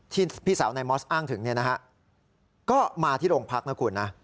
พี่สาวนายมอสอ้างถึงเนี่ยนะฮะก็มาที่โรงพักนะคุณนะ